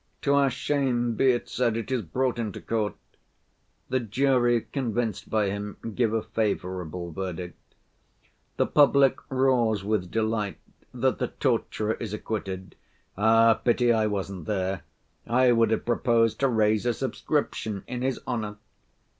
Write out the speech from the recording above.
To our shame be it said, it is brought into court.' The jury, convinced by him, give a favorable verdict. The public roars with delight that the torturer is acquitted. Ah, pity I wasn't there! I would have proposed to raise a subscription in his honor!